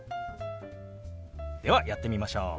ではやってみましょう！